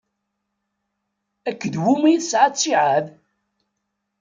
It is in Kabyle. Akked wumi i tesɛa ttiɛad?